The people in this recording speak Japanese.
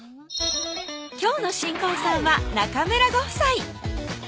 今日の新婚さんは中村ご夫妻